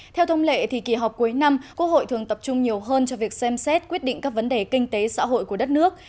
theo thông lệ kỳ họp cuối năm quốc hội thường tập trung nhiều hơn cho việc xem xét quyết định các vấn đề kinh tế xã hội của đất nước